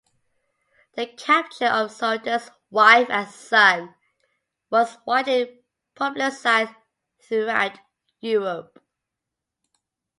The capture of "Sultan's wife and son" was widely publicized throughout Europe.